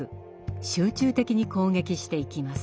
集中的に攻撃していきます。